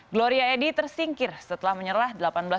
gloria edi tersingkir setelah menyerah delapan belas dua puluh satu